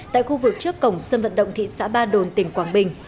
tại khu vực trước cổng sân vận động thị xã ba đồn tỉnh quảng bình